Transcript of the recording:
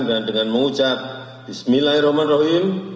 dan dengan mengucap bismillahirrahmanirrahim